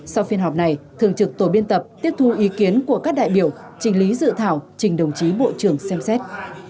sau phiên họp này thường trực tổ biên tập tiếp thu ý kiến của các đại biểu trình lý dự thảo trình đồng chí bộ trưởng xem xét